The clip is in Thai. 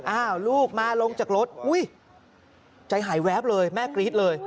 อ้าวลูกมาลงจากรถอุ้ยใจหายแวบเลยแม่กรี๊ดเลย